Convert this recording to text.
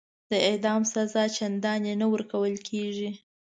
د اعدام سزا چنداني نه ورکول کیږي.